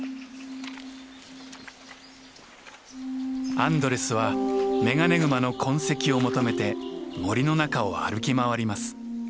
アンドレスはメガネグマの痕跡を求めて森の中を歩き回ります。